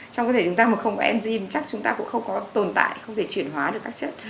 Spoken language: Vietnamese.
trong cơ thể chúng ta mà không có enzym chắc chúng ta cũng không có tồn tại không thể chuyển hóa được các chất